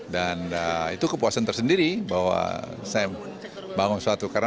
dan itu kepuasan tersendiri bahwa saya bangun suatu kabinet